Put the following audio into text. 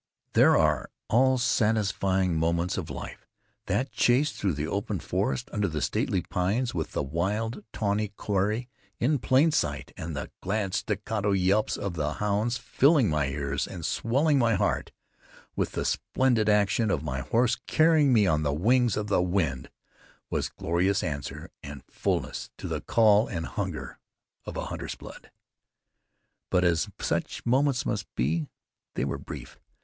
There are all satisfying moments of life. That chase through the open forest, under the stately pines, with the wild, tawny quarry in plain sight, and the glad staccato yelps of the hounds filling my ears and swelling my heart, with the splendid action of my horse carrying me on the wings of the wind, was glorious answer and fullness to the call and hunger of a hunter's blood. But as such moments must be, they were brief.